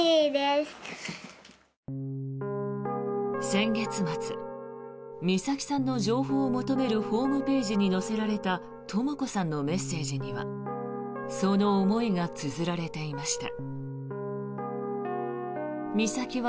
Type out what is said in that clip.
先月末美咲さんの情報を求めるホームページに載せられたとも子さんのメッセージにはその思いがつづられていました。